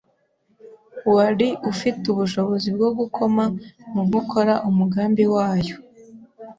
wari ufite ubushobozi bwo gukoma mu nkokora umugambi wayo.